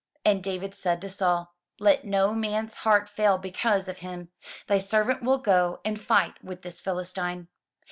And David said to Saul, "Let no man's heart fail because of him; thy servant will go and fight with this Philistine."